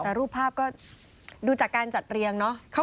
แต่รูปภาพก็ดูจากการจัดเรียงเนาะ